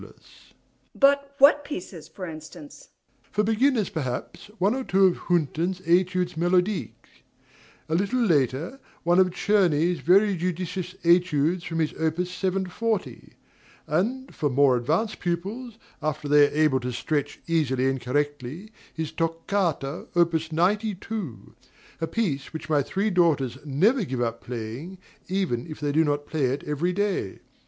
MRS. SOLID. But what pieces, for instance? DOMINIE. For beginners, perhaps one or two of Hünten's Etudes Melodiques; a little later, one of Czerny's very judicious Etudes from his opus 740; and for more advanced pupils, after they are able to stretch easily and correctly, his Toccata, opus 92, a piece which my three daughters never give up playing, even if they do not play it every day.